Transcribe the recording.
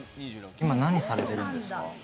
今、何されてるんですか？